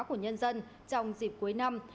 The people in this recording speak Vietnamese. của nhân dân trong dịp cuối năm